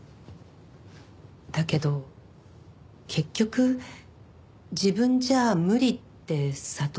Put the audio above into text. だけど結局自分じゃ無理って悟ったのかもね。